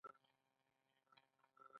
هغه د منظر پر څنډه ساکت ولاړ او فکر وکړ.